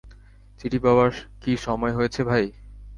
চিঠি পাবার কি সময় হয়েছে ভাই?